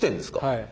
はい。